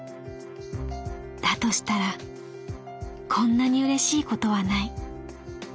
だとしたらこんなに嬉しいことはない。